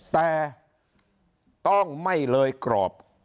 แต่ต้องไม่เลยกรอบ